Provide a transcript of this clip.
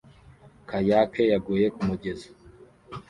Kayaker yaguye kumugezi